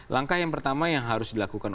langkah yang pertama yang harus dilakukan